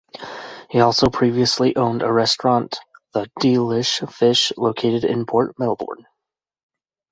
He also previously owned a restaurant, the "D'lish Fish" located in Port Melbourne.